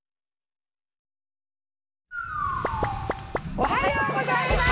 おはようございます！